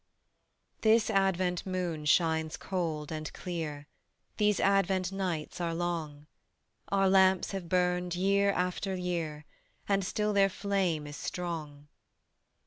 This Advent moon shines cold and clear, These Advent nights are long; Our lamps have burned year after year, And still their flame is strong.